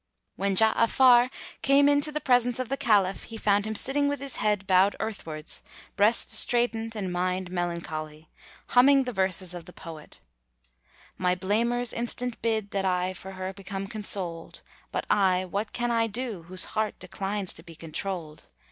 [FN#239] When Ja'afar came in to the presence of the Caliph, he found him sitting with his head bowed earthwards, breast straitened and mind melancholy, humming the verses of the poet, "My blamers instant bid that I for her become consoled; * But I, what can I do, whose heart declines to be controlled?